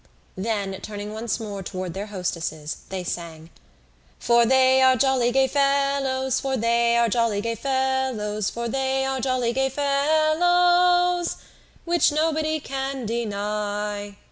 Then, turning once more towards their hostesses, they sang: For they are jolly gay fellows, For they are jolly gay fellows, For they are jolly gay fellows, Which nobody can deny.